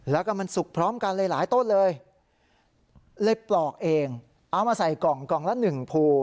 แล้วก็มันสุกพร้อมกันหลายต้นเลยเลยปลอกเองเอามาใส่กล่องกล่องละหนึ่งภู